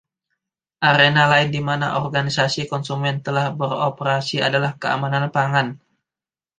Arena lain di mana organisasi konsumen telah beroperasi adalah keamanan pangan.